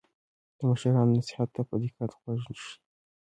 د مشرانو نصیحت ته په دقت غوږ شئ.